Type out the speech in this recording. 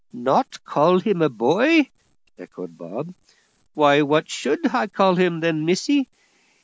"Not call him a boy?" echoed Bob; "why, what should I call him then, missie?